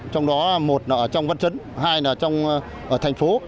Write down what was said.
trong đó một là trong vật chất hai là trong thành phố